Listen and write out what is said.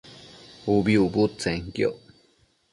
ubi ucbudtsenquioc